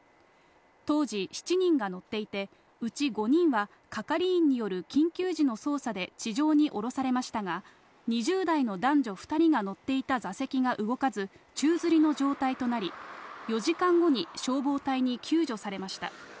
当時７人が乗っていて、うち５人は係員による緊急時の操作で地上に降ろされましたが、２０代の男女２人が乗っていた座席が動かず、宙づりの状態となり、４時間後に消防隊に救助されました。